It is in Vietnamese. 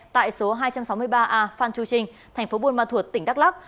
tại số hai trăm sáu mươi ba a phan chu trinh thành phố buôn ma thuột tỉnh đắk lắc